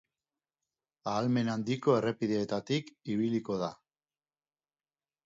Ahalmen handiko errepideetatik ibiliko da.